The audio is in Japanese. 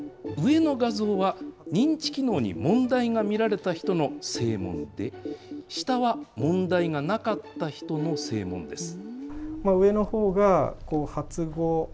上の画像は、認知機能に問題が見られた人の声紋で、下は問題がなかった人の声紋です。